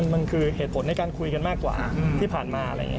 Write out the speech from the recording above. มันคือเหตุผลในการคุยกันมากกว่าที่ผ่านมา